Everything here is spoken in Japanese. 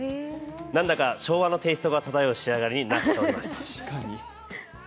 なんだか、昭和のテイストが漂う仕上がりになっています。